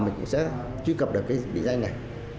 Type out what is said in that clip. truy cập được cái định danh này